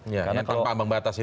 ya yang tanpa ambang batas ini